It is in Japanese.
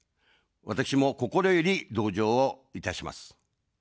私も心より同情をいたします。